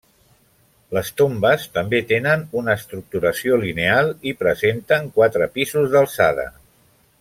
Les tombes, també tenen una estructuració lineal i presenten quatre pisos d'alçada.